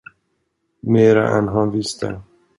Mera än han visste.